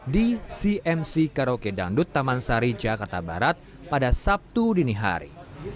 di cmc karaoke dangdut taman sari jakarta barat pada sabtu dini hari